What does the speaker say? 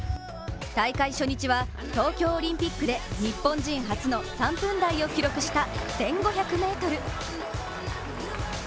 大会初日は東京オリンピックで日本人初の３分台を記録した１５００ｍ。